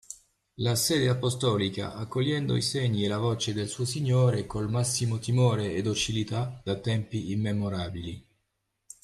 La Sede Apostolica, accogliendo i segni e la voce del suo Signore col massimo timore e docilità, da tempi immemorabili